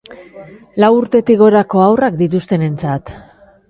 Lau urtetik gorako haurrak dituztenentzat.